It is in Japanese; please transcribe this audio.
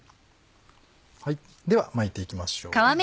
では巻いていきましょう。